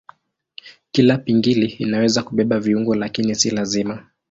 Kila pingili inaweza kubeba viungo lakini si lazima.